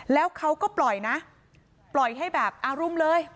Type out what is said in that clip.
แล้วเขาก็ปล่อยนะปล่อยให้แบบอารมณ์เลย